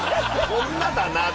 「こんなだな」って。